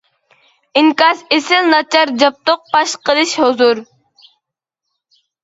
ئىنكاس ئېسىل ناچار جابدۇق پاش قىلىش ھۇزۇر.